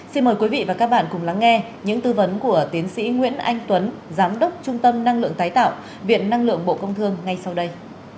xin mời quý vị và các bạn cùng lắng nghe những tư vấn của tiến sĩ nguyễn anh tuấn giám đốc trung tâm năng lượng tái tạo viện năng lượng bộ công thương ngay sau đây